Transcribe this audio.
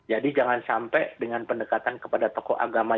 jadi jangan sampai dengan pendekatan kepada tokoh agama